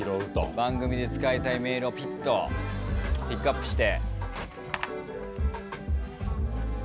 番組で使いたいメールをピッとピックアップして。